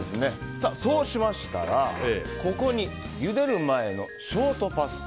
そうしましたらここにゆでる前のショートパスタ